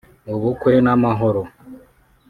ubumwe n’amahoro